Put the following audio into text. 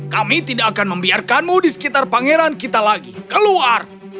kami tidak akan membiarkanmu di sekitar pangeran kita lagi keluar